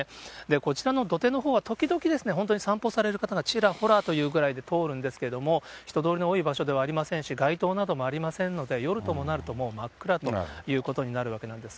こちらの土手のほうは、時々、本当に散歩される方がちらほらというぐらいで通るんですけども、人通りの場所ではありませんし、街灯などもありませんので、夜ともなると、もう真っ暗ということになるわけなんです。